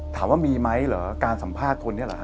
ถามว่ามีไหมเหรอการสัมภาษณ์คนนี้เหรอฮ